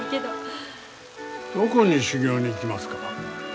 どこに修業に行きますか？